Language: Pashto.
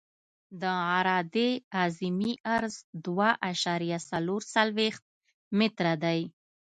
د عرادې اعظمي عرض دوه اعشاریه څلور څلویښت متره دی